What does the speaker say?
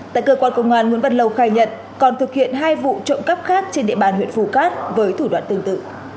tại cơ quan công an nguyễn văn lầu khai nhận còn thực hiện hai vụ trộm cắp khác trên địa bàn huyện phù cát với thủ đoạn tương tự